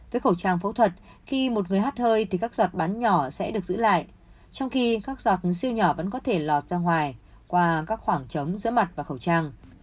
với khẩu trang phẫu thuật khi một người hát hơi thì các giọt bán nhỏ sẽ được giữ lại trong khi các giọc siêu nhỏ vẫn có thể lọt ra ngoài qua các khoảng trống giữa mặt và khẩu trang